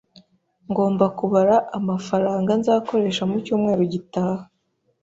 Ngomba kubara amafaranga nzakoresha mu cyumweru gitaha